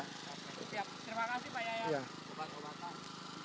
terima kasih pak yayang